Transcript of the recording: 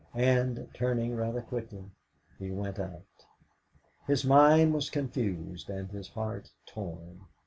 And, turning rather quickly, he went out. His mind was confused and his heart torn.